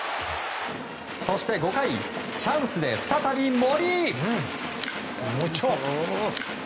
そして５回、チャンスで再び森。